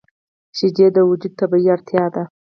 شیدې د وجود طبیعي اړتیا ده